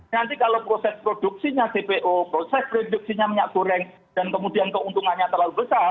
nanti kalau proses produksinya dpo proses produksinya minyak goreng dan kemudian keuntungannya terlalu besar